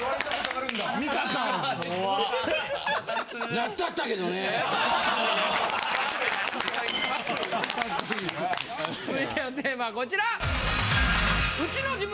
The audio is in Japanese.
・腹立つ・続いてのテーマはこちら！